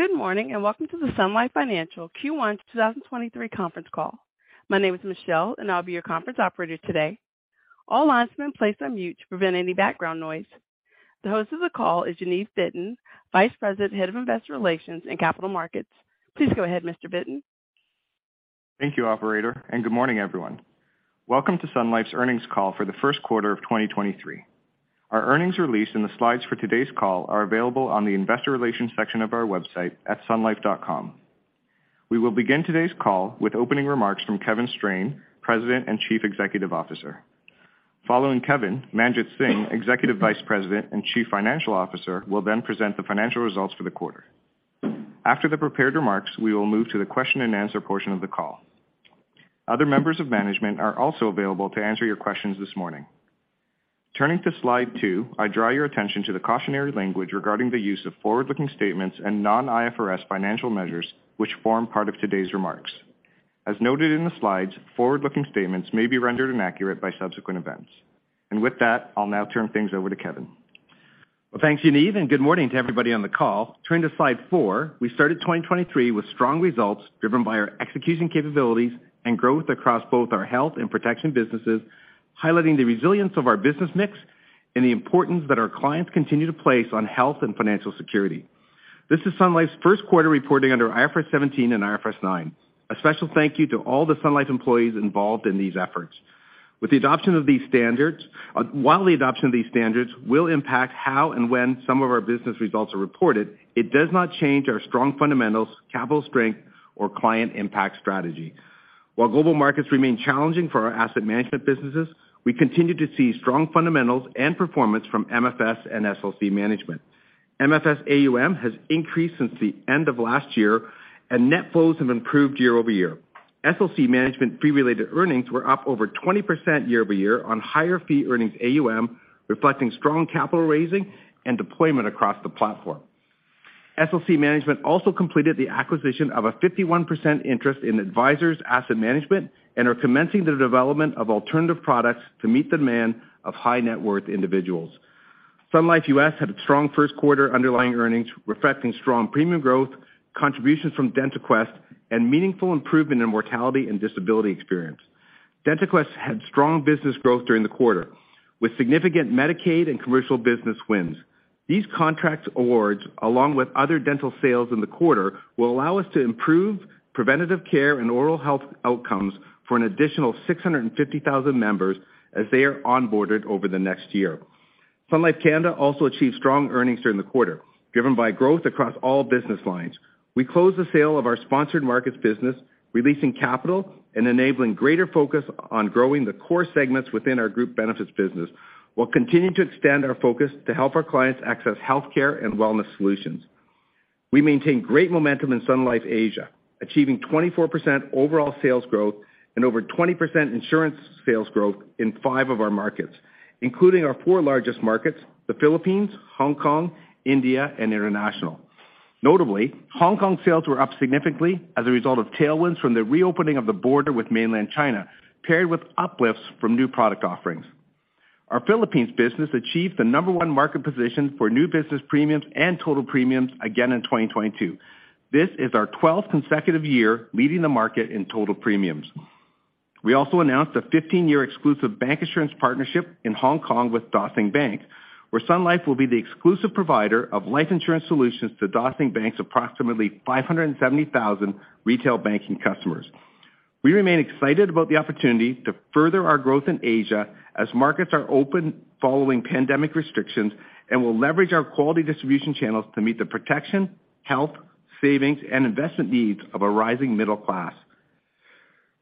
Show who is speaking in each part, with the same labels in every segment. Speaker 1: Good morning. Welcome to the Sun Life Financial Q1 2023 conference call. My name is Michelle, and I'll be your conference operator today. All lines have been placed on mute to prevent any background noise. The host of the call is Yaniv Bitton, Vice-President, Head of Investor Relations and Capital Markets. Please go ahead, Mr. Bitton.
Speaker 2: Thank you, operator. Good morning, everyone. Welcome to Sun Life's earnings call for the first quarter of 2023. Our earnings release and the slides for today's call are available on the investor relations section of our website at sunlife.com. We will begin today's call with opening remarks from Kevin Strain, President and Chief Executive Officer. Following Kevin, Manjit Singh, Executive Vice President and Chief Financial Officer, will then present the financial results for the quarter. After the prepared remarks, we will move to the question-and-answer portion of the call. Other members of management are also available to answer your questions this morning. Turning to slide two, I draw your attention to the cautionary language regarding the use of forward-looking statements and non-IFRS financial measures which form part of today's remarks. As noted in the slides, forward-looking statements may be rendered inaccurate by subsequent events. With that, I'll now turn things over to Kevin.
Speaker 3: Well, thanks, Yaniv, and good morning to everybody on the call. Turning to slide four, we started 2023 with strong results driven by our execution capabilities and growth across both our health and protection businesses, highlighting the resilience of our business mix and the importance that our clients continue to place on health and financial security. This is Sun Life's first quarter reporting under IFRS 17 and IFRS 9. A special thank you to all the Sun Life employees involved in these efforts. While the adoption of these standards will impact how and when some of our business results are reported, it does not change our strong fundamentals, capital strength, or client impact strategy. While global markets remain challenging for our asset management businesses, we continue to see strong fundamentals and performance from MFS and SLC Management. MFS AUM has increased since the end of last year, and net flows have improved year-over-year. SLC Management fee-related earnings were up over 20% year-over-year on higher fee earnings AUM, reflecting strong capital raising and deployment across the platform. SLC Management also completed the acquisition of a 51% interest in Advisors Asset Management and are commencing the development of alternative products to meet the demand of high net worth individuals. Sun Life U.S. had a strong first quarter underlying earnings, reflecting strong premium growth, contributions from DentaQuest, and meaningful improvement in mortality and disability experience. DentaQuest had strong business growth during the quarter, with significant Medicaid and commercial business wins. These contracts awards, along with other dental sales in the quarter, will allow us to improve preventative care and oral health outcomes for an additional 650,000 members as they are onboarded over the next year. Sun Life Canada also achieved strong earnings during the quarter, driven by growth across all business lines. We closed the sale of our sponsored markets business, releasing capital and enabling greater focus on growing the core segments within our group benefits business, while continuing to expand our focus to help our clients access healthcare and wellness solutions. We maintain great momentum in Sun Life Asia, achieving 24% overall sales growth and over 20% insurance sales growth in five of our markets, including our four largest markets, the Philippines, Hong Kong, India, and International. Notably, Hong Kong sales were up significantly as a result of tailwinds from the reopening of the border with mainland China, paired with uplifts from new product offerings. Our Philippines business achieved the number one market position for new business premiums and total premiums again in 2022. This is our 12th consecutive year leading the market in total premiums. We also announced a 15-year exclusive bank insurance partnership in Hong Kong with Dah Sing Bank, where Sun Life will be the exclusive provider of life insurance solutions to Dah Sing Bank's approximately 570,000 retail banking customers. We remain excited about the opportunity to further our growth in Asia as markets are open following pandemic restrictions and will leverage our quality distribution channels to meet the protection, health, savings, and investment needs of a rising middle class.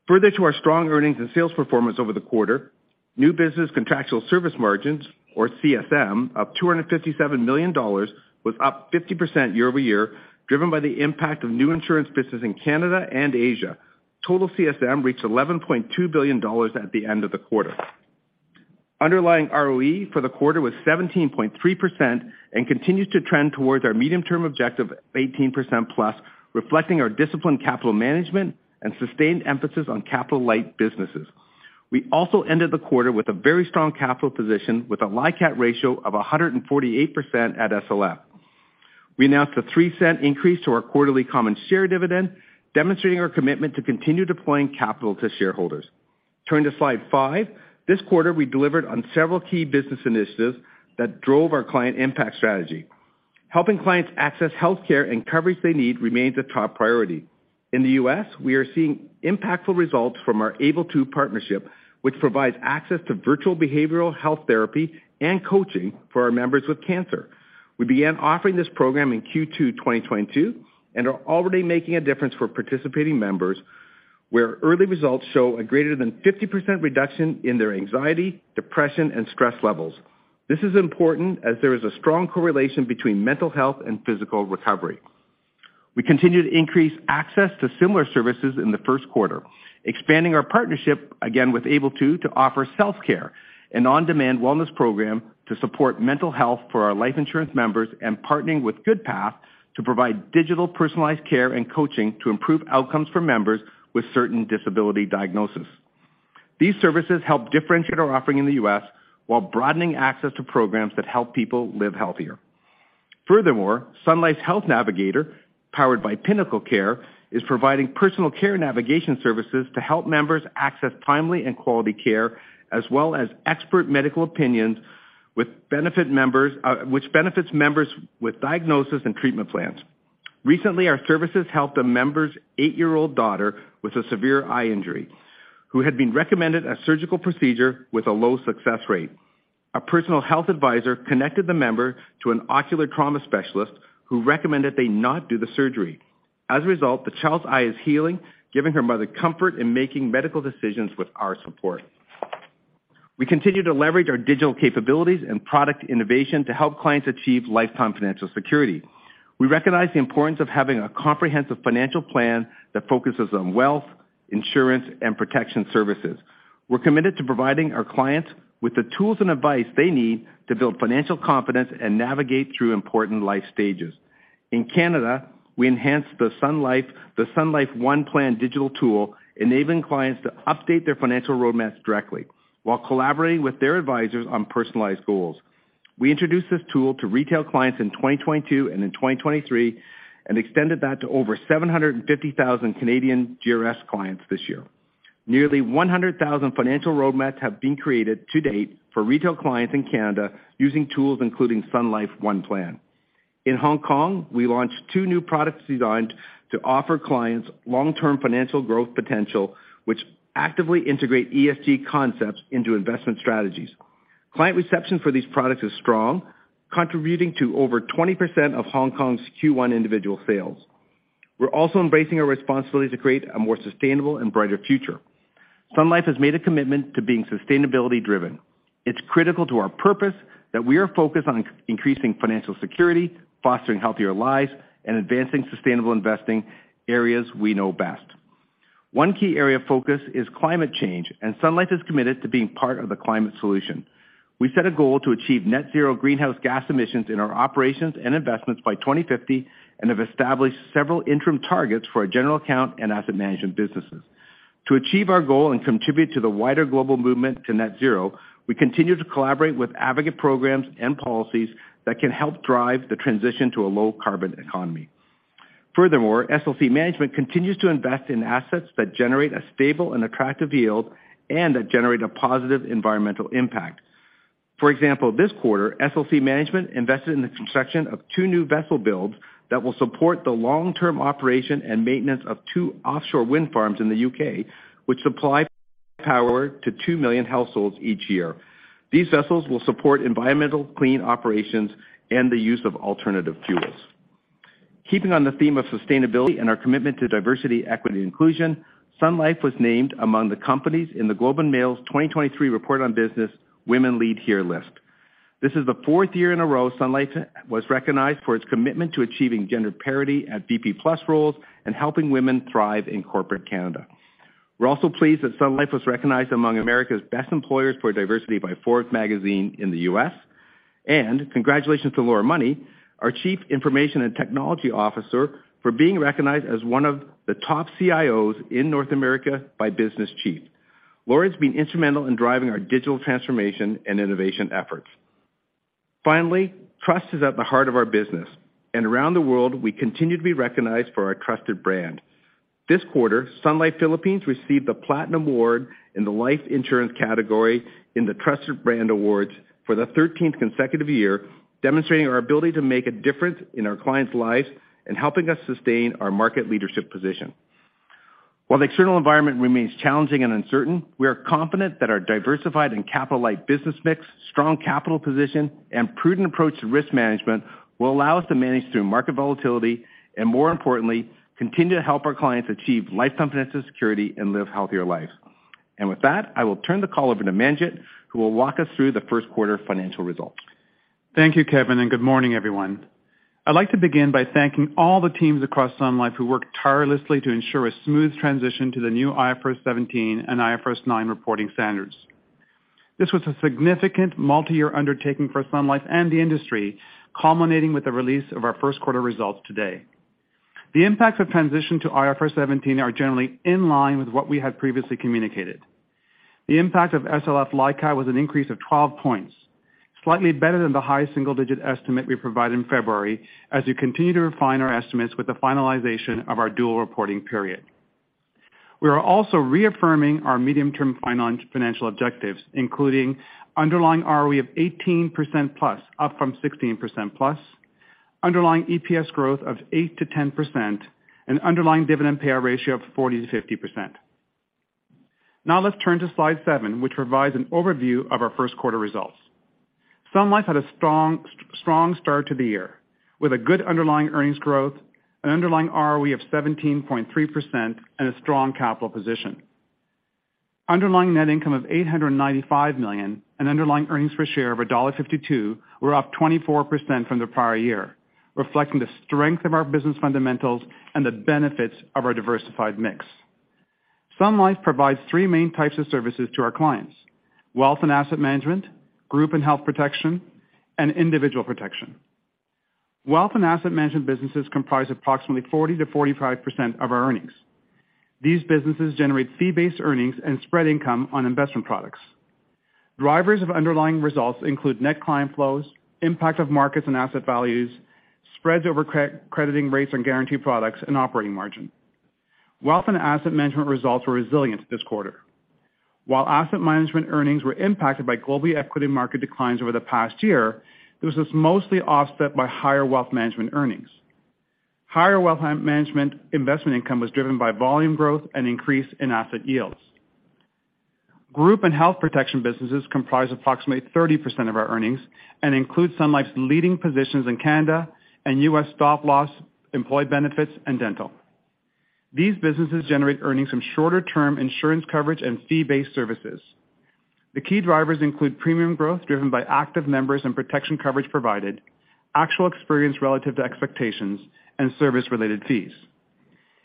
Speaker 3: Further to our strong earnings and sales performance over the quarter, new business contractual service margins, or CSM, of $257 million was up 50% year-over-year, driven by the impact of new insurance business in Canada and Asia. Total CSM reached $11.2 billion at the end of the quarter. Underlying ROE for the quarter was 17.3% and continues to trend towards our medium-term objective of 18%+, reflecting our disciplined capital management and sustained emphasis on capital-light businesses. We also ended the quarter with a very strong capital position with a LICAT ratio of 148% at SLF. We announced a $0.03 increase to our quarterly common share dividend, demonstrating our commitment to continue deploying capital to shareholders. Turning to slide five. This quarter, we delivered on several key business initiatives that drove our client impact strategy. Helping clients access healthcare and coverage they need remains a top priority. In the U.S., we are seeing impactful results from our AbleTo partnership, which provides access to virtual behavioral health therapy and coaching for our members with cancer. We began offering this program in Q2 2022 and are already making a difference for participating members, where early results show a greater than 50% reduction in their anxiety, depression, and stress levels. This is important as there is a strong correlation between mental health and physical recovery. We continue to increase access to similar services in the first quarter, expanding our partnership again with AbleTo to offer self-care, an on-demand wellness program to support mental health for our life insurance members and partnering with GoodPath to provide digital personalized care and coaching to improve outcomes for members with certain disability diagnosis. These services help differentiate our offering in the U.S. while broadening access to programs that help people live healthier. Furthermore, Sun Life's Health Navigator, powered by PinnacleCare, is providing personal care navigation services to help members access timely and quality care, as well as expert medical opinions with benefit members, which benefits members with diagnosis and treatment plans. Recently, our services helped a member's eight-year-old daughter with a severe eye injury, who had been recommended a surgical procedure with a low success rate. A personal health advisor connected the member to an ocular trauma specialist who recommended they not do the surgery. As a result, the child's eye is healing, giving her mother comfort in making medical decisions with our support. We continue to leverage our digital capabilities and product innovation to help clients achieve lifetime financial security. We recognize the importance of having a comprehensive financial plan that focuses on wealth, insurance, and protection services. We're committed to providing our clients with the tools and advice they need to build financial confidence and navigate through important life stages. In Canada, we enhanced the Sun Life One Plan digital tool, enabling clients to update their financial roadmaps directly while collaborating with their advisors on personalized goals. We introduced this tool to retail clients in 2022 and in 2023, extended that to over 750,000 Canadian GRS clients this year. Nearly 100,000 financial roadmaps have been created to date for retail clients in Canada using tools including Sun Life One Plan. In Hong Kong, we launched two new products designed to offer clients long-term financial growth potential, which actively integrate ESG concepts into investment strategies. Client reception for these products is strong, contributing to over 20% of Hong Kong's Q1 individual sales. We're also embracing our responsibility to create a more sustainable and brighter future. Sun Life has made a commitment to being sustainability driven. It's critical to our purpose that we are focused on increasing financial security, fostering healthier lives, and advancing sustainable investing areas we know best. One key area of focus is climate change. Sun Life is committed to being part of the climate solution. We set a goal to achieve net zero greenhouse gas emissions in our operations and investments by 2050 and have established several interim targets for our general account and asset management businesses. To achieve our goal and contribute to the wider global movement to net zero, we continue to collaborate with advocate programs and policies that can help drive the transition to a low carbon economy. Furthermore, SLC Management continues to invest in assets that generate a stable and attractive yield and that generate a positive environmental impact. For example, this quarter, SLC Management invested in the construction of two new vessel builds that will support the long-term operation and maintenance of two offshore wind farms in the U.K., which supply power to 2 million households each year. These vessels will support environmental clean operations and the use of alternative fuels. Keeping on the theme of sustainability and our commitment to diversity, equity, and inclusion, Sun Life was named among the companies in The Globe and Mail's 2023 Report on Business Women Lead Here list. This is the fourth year in a row Sun Life was recognized for its commitment to achieving gender parity at VP+ roles and helping women thrive in corporate Canada. We're also pleased that Sun Life was recognized among America's best employers for diversity by Forbes magazine in the U.S. Congratulations to Laura Money, our chief information and technology officer, for being recognized as one of the top CIOs in North America by Business Chief. Laura's been instrumental in driving our digital transformation and innovation efforts. Finally, trust is at the heart of our business, and around the world, we continue to be recognized for our trusted brand. This quarter, Sun Life Philippines received the Platinum Award in the Life Insurance category in the Trusted Brand Awards for the thirteenth consecutive year, demonstrating our ability to make a difference in our clients' lives and helping us sustain our market leadership position. While the external environment remains challenging and uncertain, we are confident that our diversified and capital-light business mix, strong capital position, and prudent approach to risk management will allow us to manage through market volatility and, more importantly, continue to help our clients achieve life confidence and security and live healthier lives. With that, I will turn the call over to Manjit, who will walk us through the first quarter financial results.
Speaker 4: Thank you, Kevin. Good morning, everyone. I'd like to begin by thanking all the teams across Sun Life who work tirelessly to ensure a smooth transition to the new IFRS 17 and IFRS 9 reporting standards. This was a significant multi-year undertaking for Sun Life and the industry, culminating with the release of our first quarter results today. The impacts of transition to IFRS 17 are generally in line with what we had previously communicated. The impact of SLF LICAT was an increase of 12 points, slightly better than the high single-digit estimate we provided in February, as we continue to refine our estimates with the finalization of our dual reporting period. We are also reaffirming our medium-term financial objectives, including underlying ROE of 18%+, up from 16%+, underlying EPS growth of 8%-10%, and underlying dividend payout ratio of 40%-50%. Now let's turn to slide seven, which provides an overview of our first quarter results. Sun Life had a strong start to the year, with a good underlying earnings growth, an underlying ROE of 17.3%, and a strong capital position. Underlying net income of 895 million and underlying earnings per share of dollar 1.52 were up 24% from the prior year, reflecting the strength of our business fundamentals and the benefits of our diversified mix. Sun Life provides three main types of services to our clients: wealth and asset management, group and health protection, and individual protection. Wealth and asset management businesses comprise approximately 40%-45% of our earnings. These businesses generate fee-based earnings and spread income on investment products. Drivers of underlying results include net client flows, impact of markets and asset values, spreads over crediting rates on guarantee products and operating margin. Wealth and asset management results were resilient this quarter. While asset management earnings were impacted by global equity market declines over the past year, this was mostly offset by higher wealth management earnings. Higher wealth management investment income was driven by volume growth and increase in asset yields. Group and health protection businesses comprise approximately 30% of our earnings and includes Sun Life's leading positions in Canada and U.S. stop-loss employee benefits and dental. These businesses generate earnings from shorter-term insurance coverage and fee-based services. The key drivers include premium growth driven by active members and protection coverage provided, actual experience relative to expectations, and service-related fees.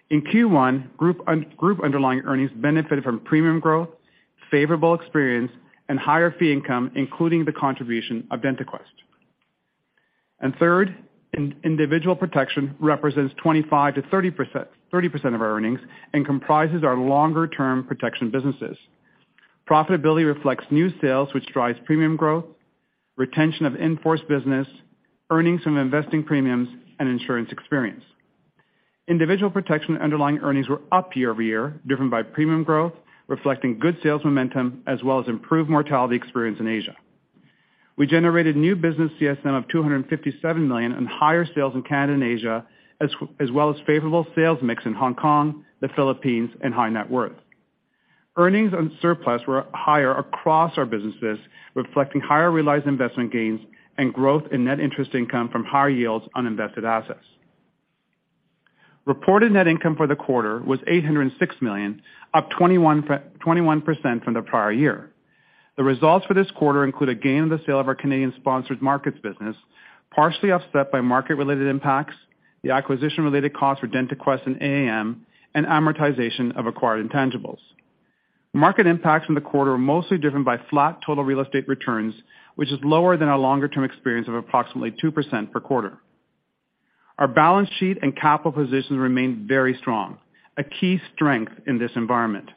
Speaker 4: In Q1, group underlying earnings benefited from premium growth, favorable experience and higher fee income, including the contribution of DentaQuest. Third, individual protection represents 25%-30%, 30% of our earnings and comprises our longer-term protection businesses. Profitability reflects new sales which drives premium growth, retention of in-force business, earnings from investing premiums and insurance experience. Individual protection underlying earnings were up year-over-year, driven by premium growth, reflecting good sales momentum as well as improved mortality experience in Asia. We generated new business CSM of 257 million and higher sales in Canada and Asia, as well as favorable sales mix in Hong Kong, the Philippines and high net worth. Earnings on surplus were higher across our businesses, reflecting higher realized investment gains and growth in net interest income from higher yields on invested assets. Reported net income for the quarter was 806 million, up 21% from the prior year. The results for this quarter include a gain on the sale of our Canadian sponsored markets business, partially offset by market related impacts, the acquisition related costs for DentaQuest and AAM, and amortization of acquired intangibles. Market impacts from the quarter were mostly driven by flat total real estate returns, which is lower than our longer term experience of approximately 2% per quarter. Our balance sheet and capital position remained very strong, a key strength in this environment.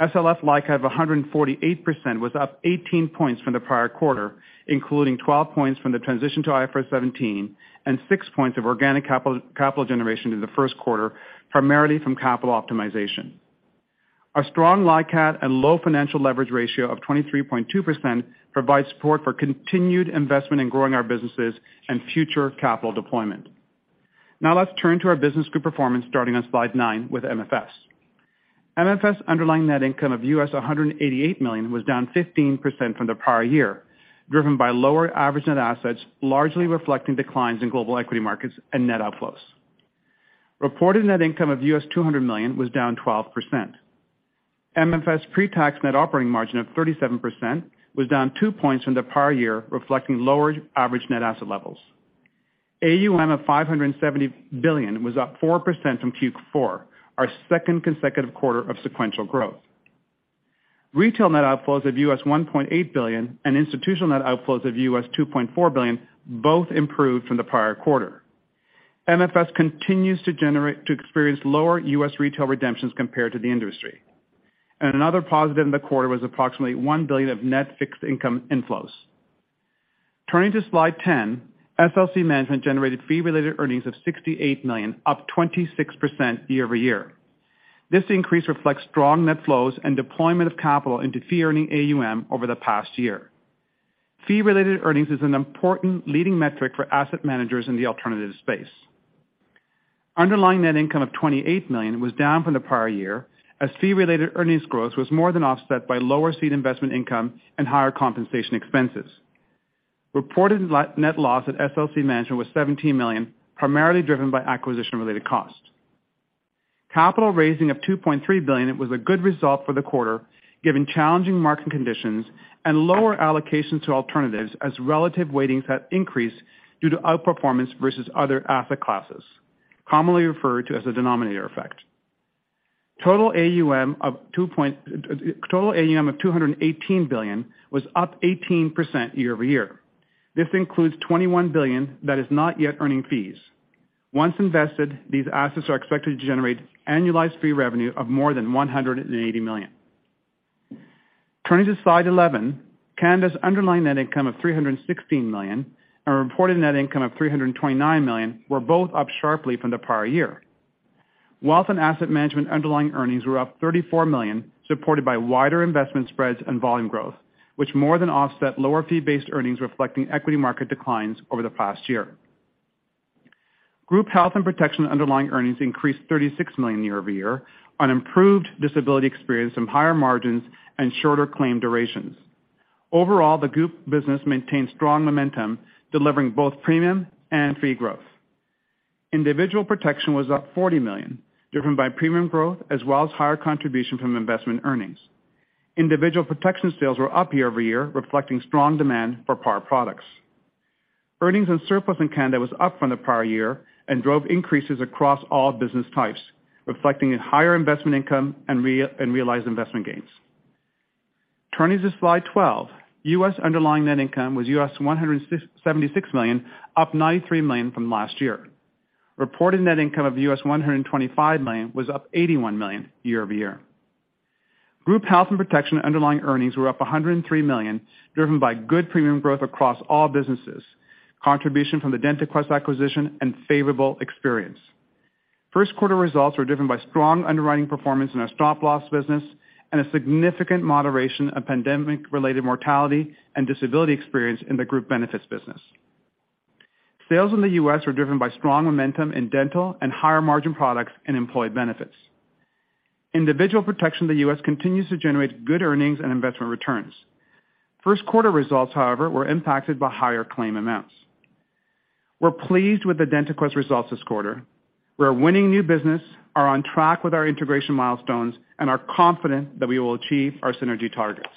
Speaker 4: SLF's LICAT of 148% was up 18 points from the prior quarter, including 12 points from the transition to IFRS 17 and 6 points of organic capital generation in the first quarter, primarily from capital optimization. Our strong LICAT and low financial leverage ratio of 23.2% provides support for continued investment in growing our businesses and future capital deployment. Now let's turn to our business group performance starting on slide nine with MFS. MFS underlying net income of U.S. $188 million was down 15% from the prior year, driven by lower average net assets, largely reflecting declines in global equity markets and net outflows. Reported net income of U.S. $200 million was down 12%. MFS pre-tax net operating margin of 37% was down two points from the prior year, reflecting lower average net asset levels. AUM of $570 billion was up 4% from Q4, our second consecutive quarter of sequential growth. Retail net outflows of U.S. $1.8 billion and institutional net outflows of U.S. $2.4 billion both improved from the prior quarter. MFS continues to experience lower U.S. retail redemptions compared to the industry. Another positive in the quarter was approximately $1 billion of net fixed income inflows. Turning to Slide 10, SLC Management generated fee-related earnings of 68 million, up 26% year-over-year. This increase reflects strong net flows and deployment of capital into fee-earning AUM over the past year. Fee-related earnings is an important leading metric for asset managers in the alternative space. Underlying net income of CAD 28 million was down from the prior year, as fee-related earnings growth was more than offset by lower seed investment income and higher compensation expenses. Reported net loss at SLC Management was 17 million, primarily driven by acquisition-related costs. Capital raising of 2.3 billion was a good result for the quarter, given challenging market conditions and lower allocation to alternatives as relative weightings have increased due to outperformance versus other asset classes, commonly referred to as the denominator effect. Total AUM of 218 billion was up 18% year-over-year. This includes 21 billion that is not yet earning fees. Once invested, these assets are expected to generate annualized fee revenue of more than 180 million. Turning to slide 11, Canada's underlying net income of 316 million and reported net income of 329 million were both up sharply from the prior year. Wealth and Asset Management underlying earnings were up 34 million, supported by wider investment spreads and volume growth, which more than offset lower fee-based earnings reflecting equity market declines over the past year. Group Health and Protection underlying earnings increased 36 million year-over-year on improved disability experience from higher margins and shorter claim durations. Overall, the group business maintained strong momentum, delivering both premium and fee growth. Individual Protection was up 40 million, driven by premium growth as well as higher contribution from investment earnings. Individual Protection sales were up year-over-year, reflecting strong demand for par products. Earnings and surplus in Canada was up from the prior year and drove increases across all business types, reflecting a higher investment income and realized investment gains. Turning to Slide 12. U.S. underlying net income was $176 million, up $93 million from last year. Reported net income of $125 million was up $81 million year-over-year. Group health and protection underlying earnings were up $103 million, driven by good premium growth across all businesses, contribution from the DentaQuest acquisition and favorable experience. First quarter results were driven by strong underwriting performance in our stop-loss business and a significant moderation of pandemic related mortality and disability experience in the group benefits business. Sales in the U.S. are driven by strong momentum in dental and higher margin products and employed benefits. Individual protection in the U.S. continues to generate good earnings and investment returns. First quarter results, however, were impacted by higher claim amounts. We're pleased with the DentaQuest results this quarter. We're winning new business, are on track with our integration milestones, and are confident that we will achieve our synergy targets.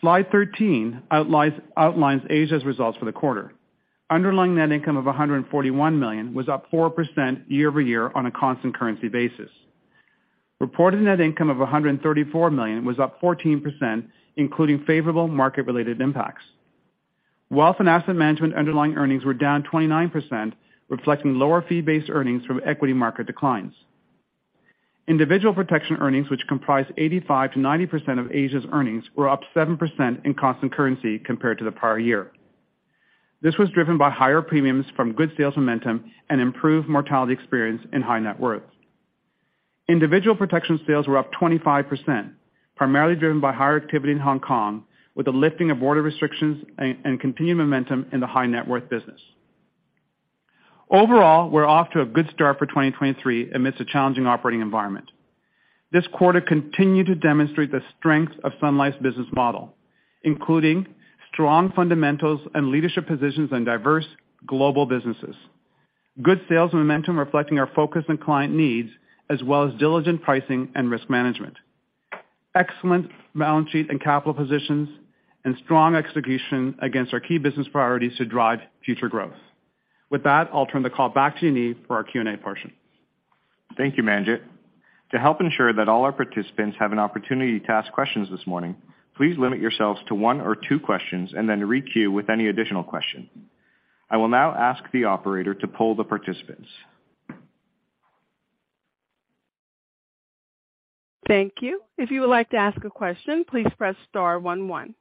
Speaker 4: Slide 13 outlines Asia's results for the quarter. Underlying net income of 141 million was up 4% year-over-year on a constant currency basis. Reported net income of 134 million was up 14%, including favorable market-related impacts. Wealth and asset management underlying earnings were down 29%, reflecting lower fee-based earnings from equity market declines. Individual protection earnings, which comprise 85%-90% of Asia's earnings, were up 7% in constant currency compared to the prior year. This was driven by higher premiums from good sales momentum and improved mortality experience in high net worth. Individual protection sales were up 25%, primarily driven by higher activity in Hong Kong, with the lifting of border restrictions and continued momentum in the high net worth business. Overall, we're off to a good start for 2023 amidst a challenging operating environment. This quarter continued to demonstrate the strength of Sun Life's business model, including strong fundamentals and leadership positions in diverse global businesses, good sales momentum reflecting our focus on client needs as well as diligent pricing and risk management. Excellent balance sheet and capital positions, and strong execution against our key business priorities to drive future growth. With that, I'll turn the call back to Yaniv for our Q&A portion.
Speaker 2: Thank you, Manjit. To help ensure that all our participants have an opportunity to ask questions this morning, please limit yourselves to one or two questions and then re-queue with any additional question. I will now ask the operator to poll the participants.
Speaker 1: Thank you. If you would like to ask a question, please press star 11.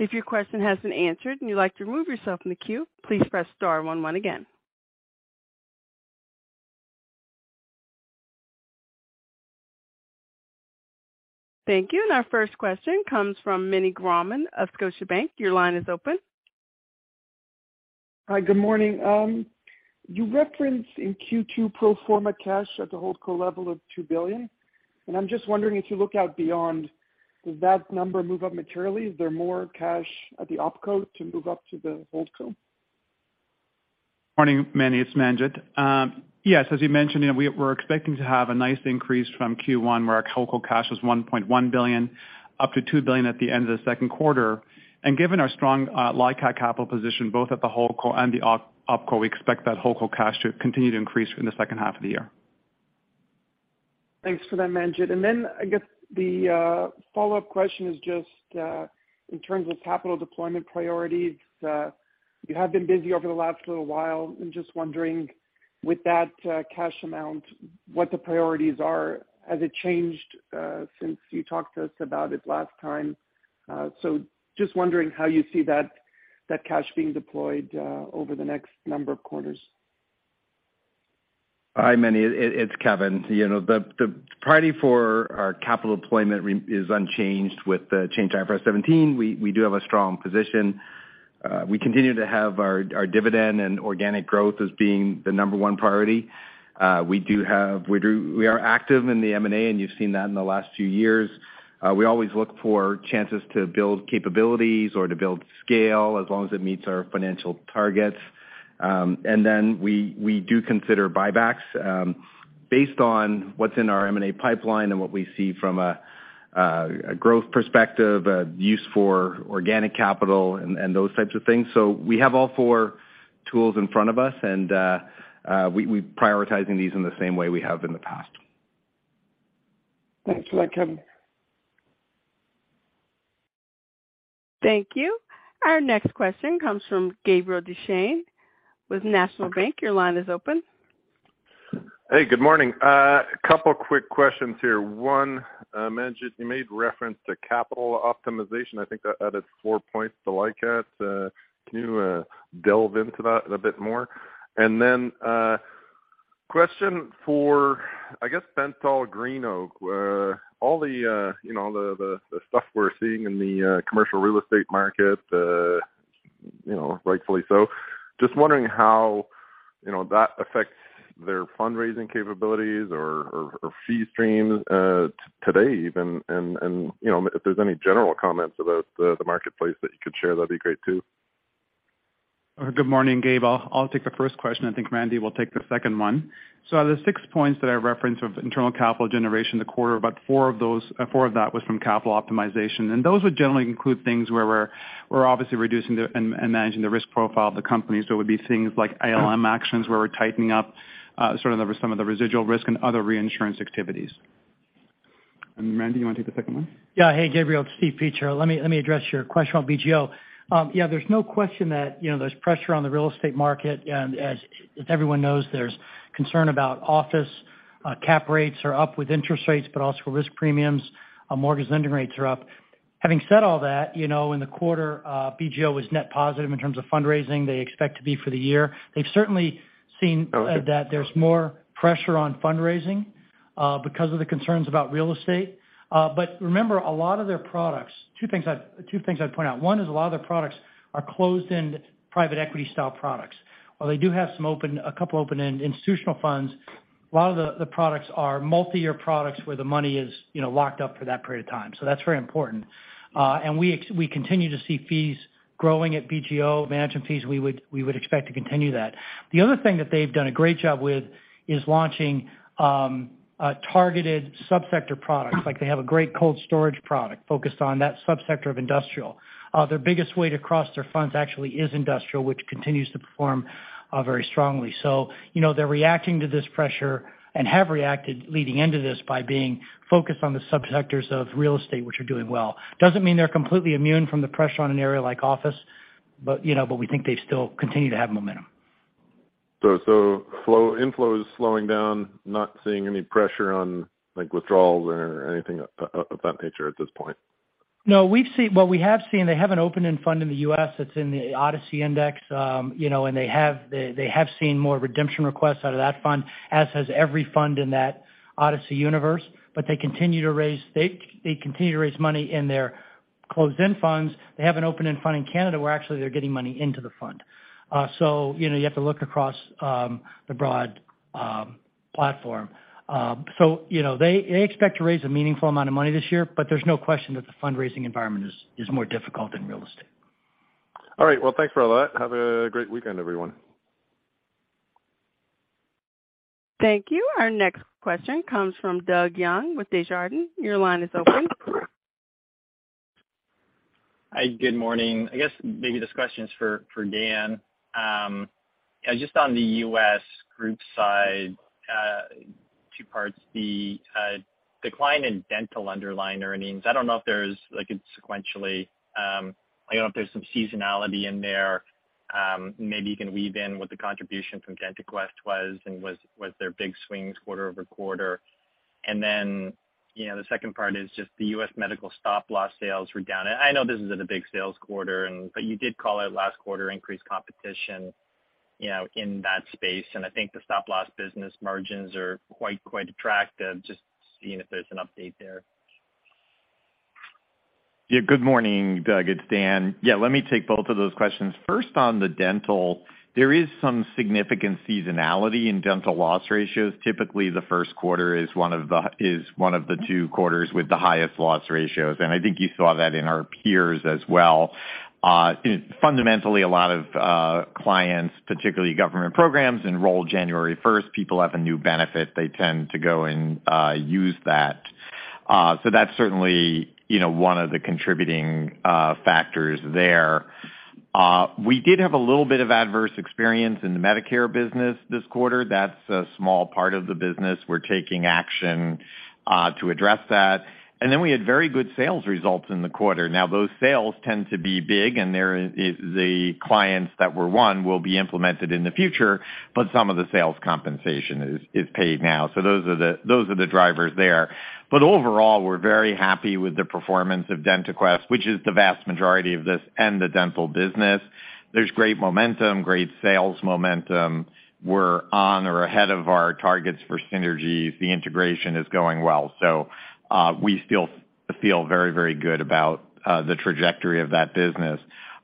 Speaker 1: If your question has been answered and you'd like to remove yourself from the queue, please press star 11 again. Thank you. Our first question comes from Meny Grauman of Scotiabank. Your line is open.
Speaker 5: Hi. Good morning. You referenced in Q2 pro forma cash at the holdco level of 2 billion, I'm just wondering if you look out beyond, does that number move up materially? Is there more cash at the opco to move up to the holdco?
Speaker 4: Morning, Manny. It's Manjit. Yes, as you mentioned, you know, we're expecting to have a nice increase from Q1, where our holdco cash was 1.1 billion, up to 2 billion at the end of the second quarter. Given our strong LICAT capital position both at the holdco and the opco, we expect that holdco cash to continue to increase in the second half of the year.
Speaker 5: Thanks for that, Manjit. I guess the follow up question is just in terms of capital deployment priorities, you have been busy over the last little while. I'm just wondering with that cash amount, what the priorities are. Has it changed since you talked to us about it last time? Just wondering how you see that cash being deployed over the next number of quarters.
Speaker 3: Hi, Manny. It's Kevin. You know, the priority for our capital deployment is unchanged with the change IFRS 17. We do have a strong position. We continue to have our dividend and organic growth as being the number one priority. We are active in the M&A, and you've seen that in the last few years. We always look for chances to build capabilities or to build scale as long as it meets our financial targets. We do consider buybacks, based on what's in our M&A pipeline and what we see from a growth perspective, use for organic capital and those types of things. We have all four tools in front of us, and we prioritizing these in the same way we have in the past.
Speaker 5: Thanks for that, Kevin.
Speaker 1: Thank you. Our next question comes from Gabriel Dechaine with National Bank Financial. Your line is open.
Speaker 6: Hey, good morning. A couple quick questions here. One, Manjit, you made reference to capital optimization. I think that added four points to LICAT. Can you delve into that a bit more? Question for, I guess, BentallGreenOak. All the, you know, the stuff we're seeing in the commercial real estate market, you know, rightfully so. Just wondering how, you know, that affects their fundraising capabilities or fee streams today even. You know, if there's any general comments about the marketplace that you could share, that'd be great too.
Speaker 4: Good morning, Gabe. I'll take the first question, and I think Manjit will take the second one. Of the six points that I referenced of internal capital generation in the quarter, about four of that was from capital optimization. Those would generally include things where we're obviously reducing the and managing the risk profile of the company. It would be things like ALM actions where we're tightening up sort of the some of the residual risk and other reinsurance activities.
Speaker 7: Randy, you wanna take the second one?
Speaker 8: Yeah. Hey, Gabriel, it's Steve Peacher. Let me address your question on BGO. Yeah, there's no question that, you know, there's pressure on the real estate market, as everyone knows, there's concern about office, cap rates are up with interest rates, but also risk premiums, mortgage lending rates are up. Having said all that, you know, in the quarter, BGO was net positive in terms of fundraising. They expect to be for the year. They've certainly seen that there's more pressure on fundraising, because of the concerns about real estate. Remember, a lot of their products... Two things I'd point out. One is a lot of their products are closed-end private equity style products. While they do have a couple open-end institutional funds, a lot of the products are multi-year products where the money is, you know, locked up for that period of time, so that's very important. We continue to see fees growing at BGO, management fees, we would expect to continue that. The other thing that they've done a great job with is launching targeted sub-sector products, like they have a great cold storage product focused on that subsector of industrial. Their biggest weight across their funds actually is industrial, which continues to perform very strongly. You know, they're reacting to this pressure and have reacted leading into this by being focused on the subsectors of real estate, which are doing well. Doesn't mean they're completely immune from the pressure on an area like office, but, you know, but we think they still continue to have momentum.
Speaker 7: inflows slowing down, not seeing any pressure on, like, withdrawals or anything of that nature at this point.
Speaker 8: No. What we have seen, they have an open-end fund in the U.S. that's in the NFI-ODCE Index. you know, they have seen more redemption requests out of that fund, as has every fund in that NFI-ODCE universe. They continue to raise money in their closed-end funds. They have an open-end fund in Canada, where actually they're getting money into the fund. you know, you have to look across the broad platform. you know, they expect to raise a meaningful amount of money this year, there's no question that the fundraising environment is more difficult in real estate.
Speaker 7: All right. Well, thanks for all that. Have a great weekend, everyone.
Speaker 1: Thank you. Our next question comes from Doug Young with Desjardins. Your line is open.
Speaker 9: Hi, good morning. I guess maybe this question is for Dan. Yeah, just on the U.S. group side, two parts, the decline in dental underlying earnings. I don't know if there's like a sequentially, I don't know if there's some seasonality in there, maybe you can weave in what the contribution from DentaQuest was and was there big swings quarter-over-quarter? Then, you know, the second part is just the U.S. medical stop-loss sales were down. I know this isn't a big sales quarter, but you did call out last quarter increased competition, you know, in that space. I think the stop-loss business margins are quite attractive. Just seeing if there's an update there.
Speaker 10: Good morning, Doug. It's Dan. Let me take both of those questions. First, on the dental, there is some significant seasonality in dental loss ratios. Typically, the first quarter is one of the two quarters with the highest loss ratios. I think you saw that in our peers as well. Fundamentally, a lot of clients, particularly government programs, enroll January first. People have a new benefit. They tend to go and use that. That's certainly, you know, one of the contributing factors there. We did have a little bit of adverse experience in the Medicare business this quarter. That's a small part of the business. We're taking action to address that. We had very good sales results in the quarter. Those sales tend to be big, and there the clients that were won will be implemented in the future, but some of the sales compensation is paid now. Those are the drivers there. Overall, we're very happy with the performance of DentaQuest, which is the vast majority of this and the dental business. There's great momentum, great sales momentum. We're on or ahead of our targets for synergies. The integration is going well. We still feel very, very good about the trajectory of that business.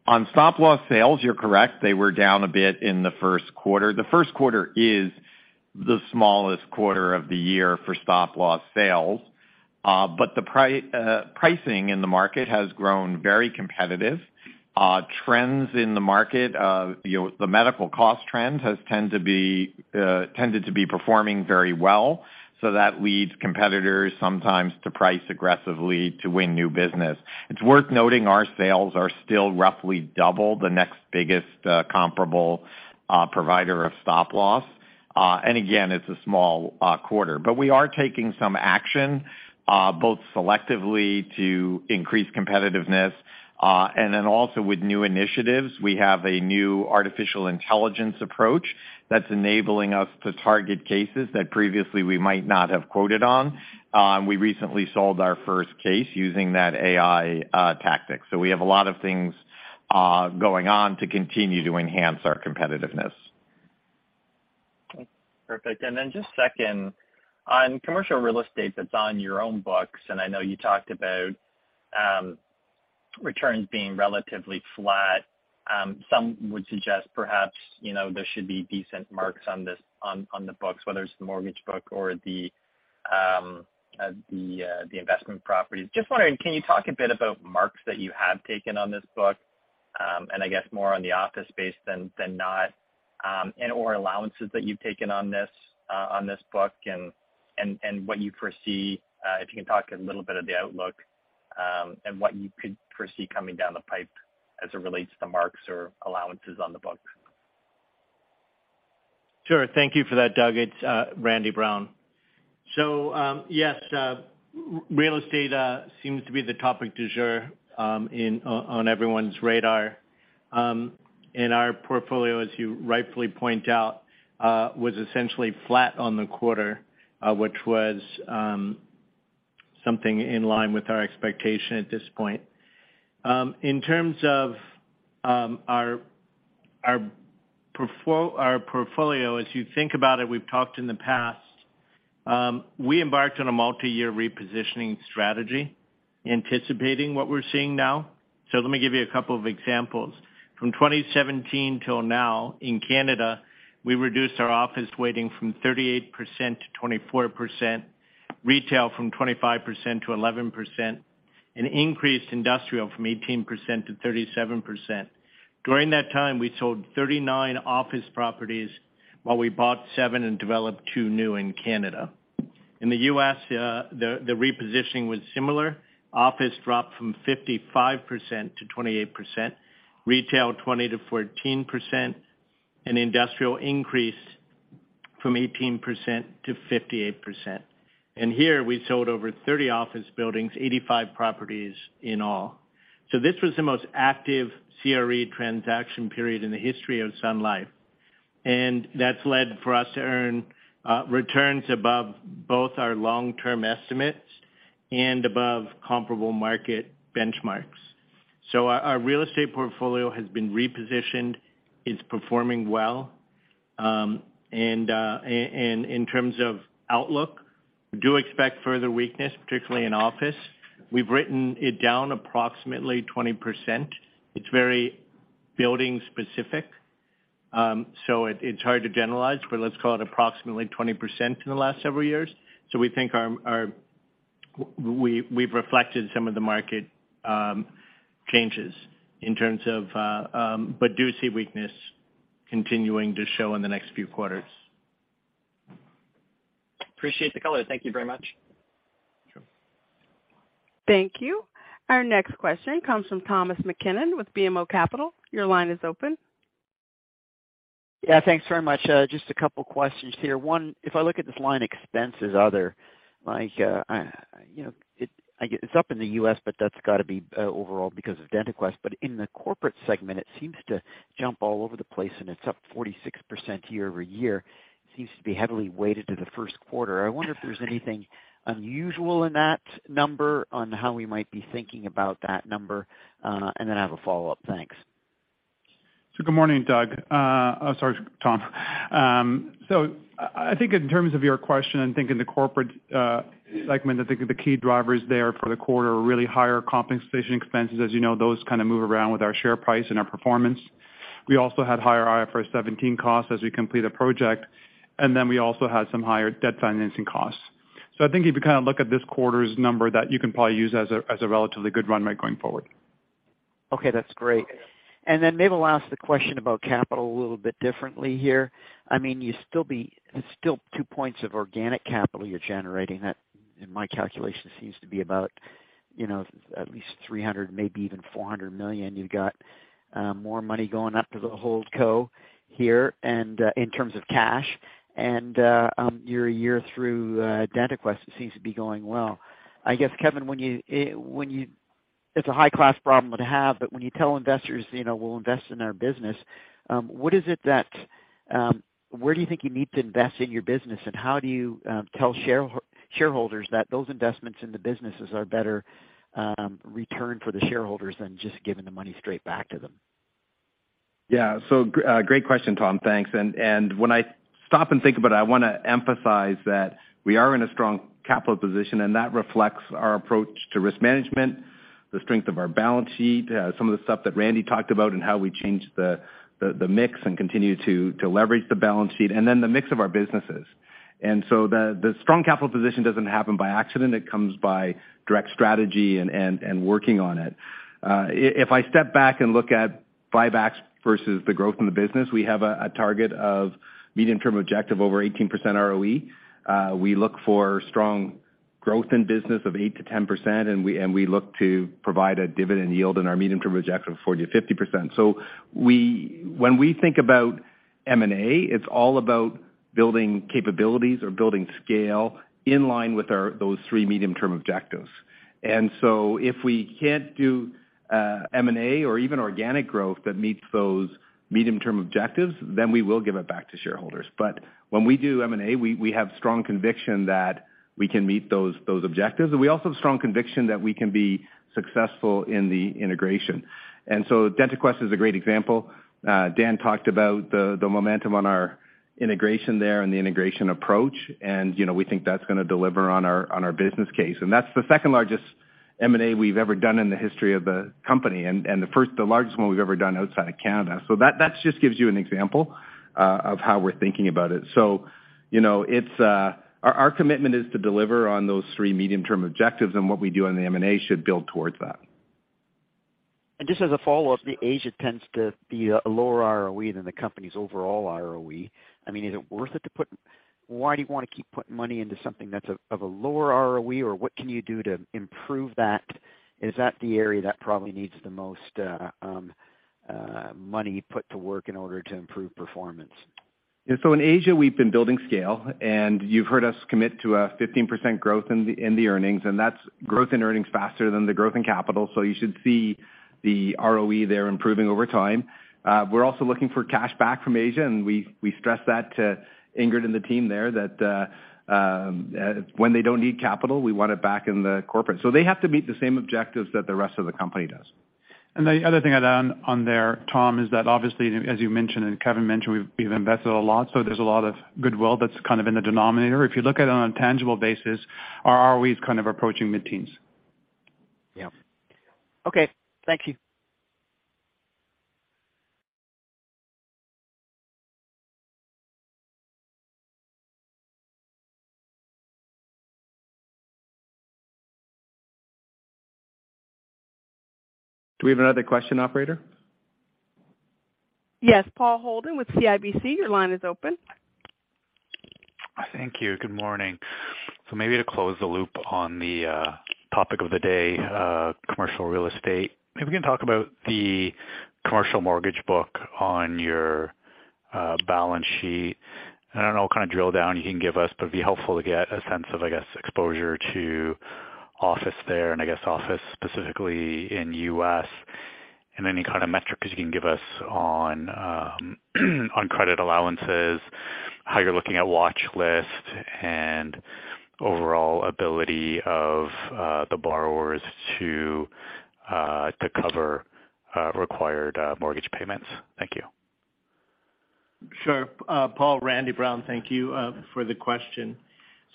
Speaker 10: On stop-loss sales, you're correct. They were down a bit in the first quarter. The first quarter is the smallest quarter of the year for stop-loss sales. Pricing in the market has grown very competitive. Trends in the market, you know, the medical cost trend tended to be performing very well, that leads competitors sometimes to price aggressively to win new business. It's worth noting our sales are still roughly double the next biggest comparable provider of stop-loss. Again, it's a small quarter. We are taking some action both selectively to increase competitiveness, also with new initiatives. We have a new artificial intelligence approach that's enabling us to target cases that previously we might not have quoted on. We recently sold our first case using that AI tactic. We have a lot of things going on to continue to enhance our competitiveness.
Speaker 9: Okay, perfect. Just second, on commercial real estate that's on your own books, I know you talked about returns being relatively flat, some would suggest perhaps, you know, there should be decent marks on this, on the books, whether it's the mortgage book or the investment properties. Just wondering, can you talk a bit about marks that you have taken on this book? I guess more on the office space than not, and/or allowances that you've taken on this book and what you foresee, if you can talk a little bit of the outlook, and what you could foresee coming down the pipe as it relates to marks or allowances on the books.
Speaker 7: Sure. Thank you for that, Doug. It's Randolph Brown. Real estate seems to be the topic du jour on everyone's radar. Our portfolio, as you rightfully point out, was essentially flat on the quarter, which was something in line with our expectation at this point. In terms of our portfolio, as you think about it, we've talked in the past, we embarked on a multi-year repositioning strategy anticipating what we're seeing now. Let me give you a couple of examples. From 2017 till now, in Canada, we reduced our office weighting from 38%-24%, retail from 25%-11%, and increased industrial from 18%-37%. During that time, we sold 39 office properties while we bought 7 and developed 2 new in Canada. In the U.S., the repositioning was similar. Office dropped from 55% to 28%, retail, 20%-14%, and industrial increased from 18% to 58%. Here, we sold over 30 office buildings, 85 properties in all. This was the most active CRE transaction period in the history of Sun Life. That's led for us to earn returns above both our long-term estimates and above comparable market benchmarks. Our real estate portfolio has been repositioned. It's performing well. In terms of outlook, we do expect further weakness, particularly in office. We've written it down approximately 20%. It's very building specific, so it's hard to generalize, but let's call it approximately 20% in the last several years. We think our We've reflected some of the market changes in terms of, but do see weakness continuing to show in the next few quarters.
Speaker 9: Appreciate the color. Thank you very much.
Speaker 7: Sure.
Speaker 1: Thank you. Our next question comes from Thomas Mackinnon with BMO Capital. Your line is open.
Speaker 11: Yeah, thanks very much. Just a couple questions here. One, if I look at this line expenses other, like, I, you know, I get it's up in the U.S., but that's got to be overall because of DentaQuest. In the corporate segment, it seems to jump all over the place, and it's up 46% year-over-year. It seems to be heavily weighted to the 1st quarter. I wonder if there's anything unusual in that number on how we might be thinking about that number. I have a follow-up. Thanks.
Speaker 7: Good morning, Doug. Sorry, Tom. I think in terms of your question, I'm thinking the corporate segment, I think the key drivers there for the quarter are really higher compensation expenses. As you know, those kind of move around with our share price and our performance. We also had higher IFRS 17 costs as we complete a project. We also had some higher debt financing costs. I think if you kind of look at this quarter's number that you can probably use as a relatively good run rate going forward.
Speaker 11: Okay, that's great. Then maybe I'll ask the question about capital a little bit differently here. I mean, you still two points of organic capital you're generating. That, in my calculation, seems to be about, you know, at least 300, maybe even 400 million. You've got more money going up to the hold co here and in terms of cash. Your year through DentaQuest seems to be going well. I guess, Kevin, when you it's a high-class problem to have, but when you tell investors, you know, we'll invest in our business, what is it that, where do you think you need to invest in your business? How do you tell shareholders that those investments in the businesses are better return for the shareholders than just giving the money straight back to them?
Speaker 7: Yeah. Great question, Tom. Thanks. When I stop and think about it, I wanna emphasize that we are in a strong capital position. That reflects our approach to risk management, the strength of our balance sheet, some of the stuff that Randy talked about and how we changed the mix and continue to leverage the balance sheet and then the mix of our businesses. The strong capital position doesn't happen by accident. It comes by direct strategy and working on it. If I step back and look at buybacks versus the growth in the business, we have a target of medium-term objective over 18% ROE. We look for strong growth in business of 8%-10%, and we look to provide a dividend yield in our medium-term objective of 40%-50%. When we think about M&A, it's all about building capabilities or building scale in line with those three medium-term objectives. If we can't do M&A or even organic growth that meets those medium-term objectives, then we will give it back to shareholders. When we do M&A, we have strong conviction that we can meet those objectives. We also have strong conviction that we can be successful in the integration. DentaQuest is a great example. Dan talked about the momentum on our integration there and the integration approach. You know, we think that's gonna deliver on our business case. That's the second largest M&A we've ever done in the history of the company and the largest one we've ever done outside of Canada. That just gives you an example of how we're thinking about it. You know, it's our commitment is to deliver on those three medium-term objectives and what we do on the M&A should build towards that.
Speaker 11: Just as a follow-up, the Asia tends to be a lower ROE than the company's overall ROE. I mean, is it worth it? Why do you want to keep putting money into something that's of a lower ROE? Or what can you do to improve that? Is that the area that probably needs the most money put to work in order to improve performance?
Speaker 12: In Asia, we've been building scale, and you've heard us commit to a 15% growth in the, in the earnings, and that's growth in earnings faster than the growth in capital. You should see the ROE there improving over time. We're also looking for cash back from Asia, and we stress that to Ingrid and the team there that when they don't need capital, we want it back in the corporate. They have to meet the same objectives that the rest of the company does.
Speaker 4: The other thing I'd add on there, Tom, is that obviously, as you mentioned and Kevin mentioned, we've invested a lot, so there's a lot of goodwill that's kind of in the denominator. If you look at it on a tangible basis, our ROE is kind of approaching mid-teens.
Speaker 11: Yeah. Okay. Thank you.
Speaker 12: Do we have another question, operator?
Speaker 1: Yes. Paul Holden with CIBC, your line is open.
Speaker 13: Thank you. Good morning. Maybe to close the loop on the topic of the day, commercial real estate, if we can talk about the commercial mortgage book on your balance sheet. I don't know what kind of drill-down you can give us, but it'd be helpful to get a sense of, I guess, exposure to
Speaker 7: and good morning, everyone. Welcome to Sun Life's first quarter 2024 earnings conference call. Our remarks today will include forward-looking statements about future results, which are subject to risks and uncertainties that may cause actual results to differ materially from expectations. I would ask you to please refer to our Q1 2024 report to shareholders and our 2023 annual information form for a discussion of the material risk factors that could affect our results. These documents are available on our website at sunlife.com under the Investor Relations section. Joining me on the call this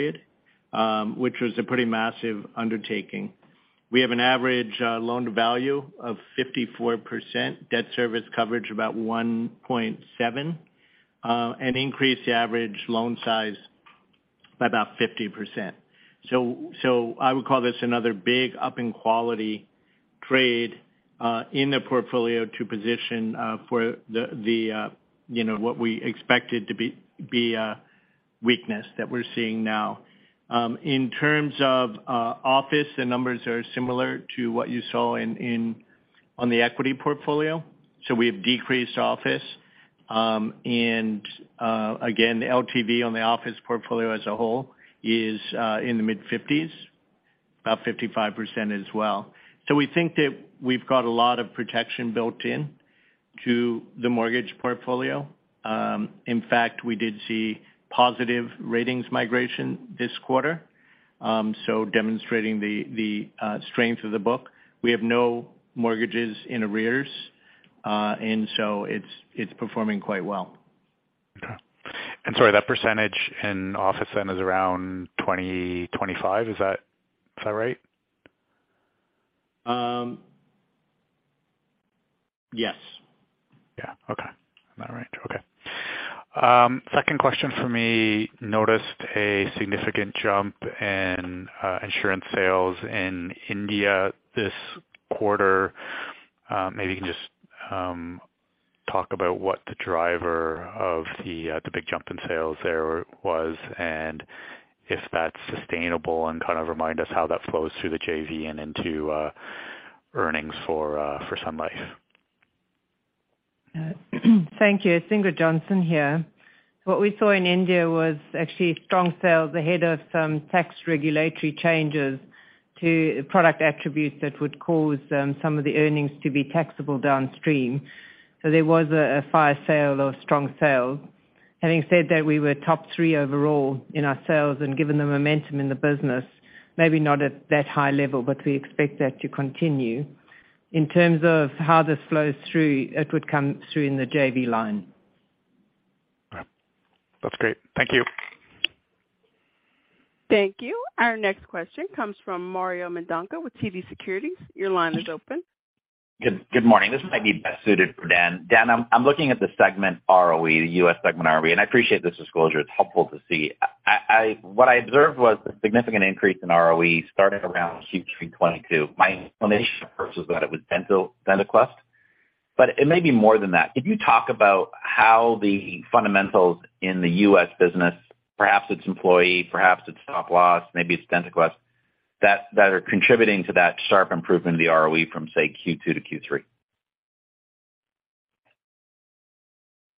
Speaker 7: morning are Kevin Strain, President and Chief Executive Officer; Manjit Singh, Executive Vice President and Chief Financial Officer; and Randy Brown, Chief Investment Officer. After our prepared remarks, we wil I would call this another big up in quality trade in the portfolio to position for the, you know, what we expected to be a weakness that we're seeing now. In terms of office, the numbers are similar to what you saw in on the equity portfolio. We have decreased office. Again, the LTV on the office portfolio as a whole is in the mid-50s, about 55% as well. We think that we've got a lot of protection built in to the mortgage portfolio. In fact, we did see positive ratings migration this quarter, demonstrating the strength of the book. We have no mortgages in arrears, it's performing quite well.
Speaker 13: Okay. Sorry, that % in office then is around 20-25. Is that, is that right?
Speaker 7: yes.
Speaker 13: Yeah. Okay. All right. Okay. Second question for me. Noticed a significant jump in insurance sales in India this quarter. Maybe you can just talk about what the driver of the big jump in sales there was and if that's sustainable and kind of remind us how that flows through the JV and into earnings for Sun Life?
Speaker 12: Thank you. It's Ingrid Johnson here. What we saw in India was actually strong sales ahead of some tax regulatory changes to product attributes that would cause some of the earnings to be taxable downstream. There was a fire sale or strong sale. Having said that, we were top three overall in our sales and given the momentum in the business, maybe not at that high level, but we expect that to continue. In terms of how this flows through, it would come through in the JV line.
Speaker 13: All right. That's great. Thank you.
Speaker 1: Thank you. Our next question comes from Mario Mendonca with TD Securities. Your line is open.
Speaker 14: Good morning. This might be best suited for Dan. Dan, I'm looking at the segment ROE, the U.S. segment ROE. I appreciate this disclosure. It's helpful to see. What I observed was a significant increase in ROE starting around Q3 2022. My inclination first was that it was DentaQuest, but it may be more than that. Could you talk about how the fundamentals in the U.S. business, perhaps it's employee, perhaps it's stop-loss, maybe it's DentaQuest, that are contributing to that sharp improvement in the ROE from, say, Q2 to Q3?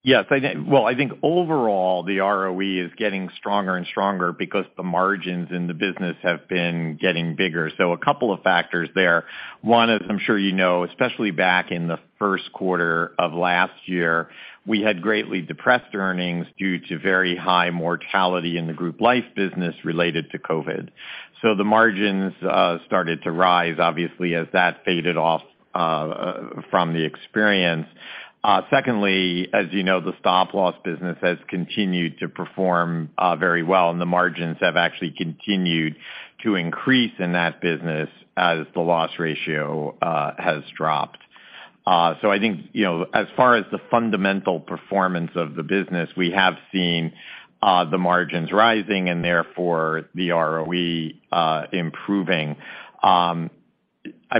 Speaker 12: Yes, I did. Well, I think overall the ROE is getting stronger and stronger because the margins in the business have been getting bigger. A couple of factors there. One, as I'm sure you know, especially back in the first quarter of last year, we had greatly depressed earnings due to very high mortality in the group life business related to COVID. The margins started to rise obviously as that faded off from the experience.
Speaker 10: Secondly, as you know, the stop-loss business has continued to perform very well, and the margins have actually continued to increase in that business as the loss ratio has dropped. I think, you know, as far as the fundamental performance of the business, we have seen the margins rising and therefore the ROE improving. I